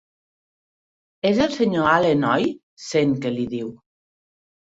És el senyor Allen, oi? —sent que li diu—.